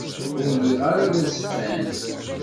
Ur lliɣ ara d azeffan.